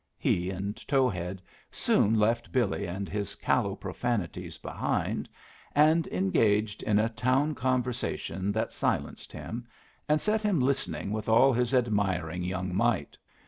He and Towhead soon left Billy and his callow profanities behind, and engaged in a town conversation that silenced him, and set him listening with all his admiring young might.